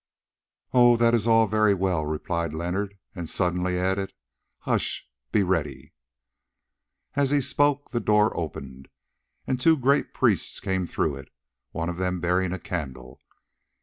"Oh, that is all very well!" replied Leonard, and suddenly added, "Hush! be ready!" As he spoke the door opened, and two great priests came through it, one of them bearing a candle.